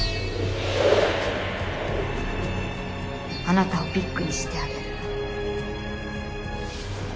あなたをビッグにしてあげる。